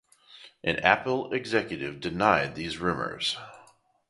An Apple executive denied these rumors.